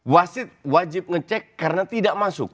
wasit wajib ngecek karena tidak masuk